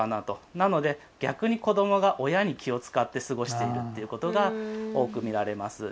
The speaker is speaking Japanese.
なので逆に子どもが親に気を遣って過ごしているということが多く見られます。